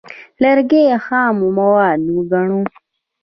لرګي خام مواد وګڼو.